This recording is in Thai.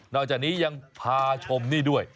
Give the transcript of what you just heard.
อกจากนี้ยังพาชมนี่ด้วย